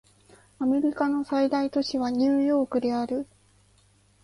アメリカの最大都市はニューヨークである